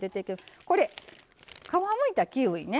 皮むいたキウイね。